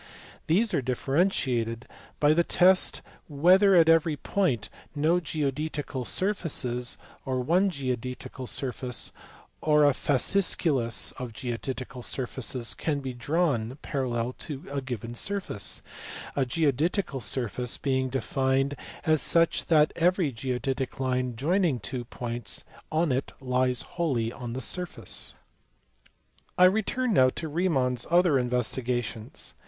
These are differentiated by the test whether at every point no geodetical surfaces, or one geodetical surface, or a fasciculus of geodetical surfaces can be drawn parallel to a given surface : a geodetical surface being defined as such that every geodetic line joining two points on it lies wholly on the surface. I return now to Riemann s other investigations.